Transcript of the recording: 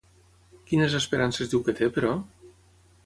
Quines esperances diu que té, però?